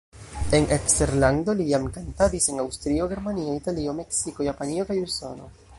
En eksterlando li jam kantadis en Aŭstrio, Germanio, Italio, Meksiko, Japanio kaj Usono.